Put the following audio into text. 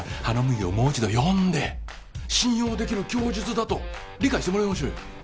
羽野麦をもう一度呼んで信用できる供述だと理解してもらいましょうよ